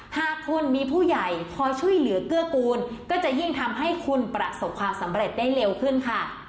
หากคุณมีผู้ใหญ่คอยช่วยเหลือเกื้อกูลก็จะยิ่งทำให้คุณประสบความสำเร็จได้เร็วขึ้นค่ะ